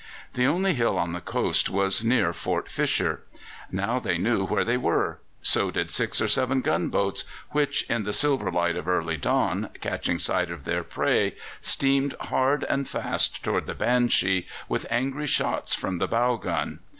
The only hill on the coast was near Fort Fisher. Now they knew where they were; so did six or seven gunboats, which, in the silver light of early dawn, catching sight of their prey, steamed hard and fast towards the Banshee, with angry shots from the bow gun.